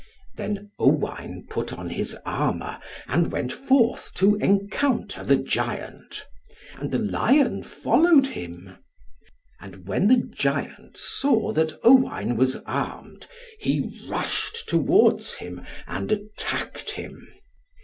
{46b} Then Owain put on his armour, and went forth to encounter the giant; and the lion followed him. And when the giant saw that Owain was armed, he rushed towards him, and attacked him.